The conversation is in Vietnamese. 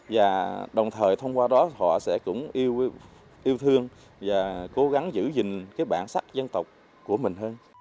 và đồng thời thông qua đó họ sẽ cũng yêu thương và cố gắng giữ gìn cái bản sắc dân tộc của mình hơn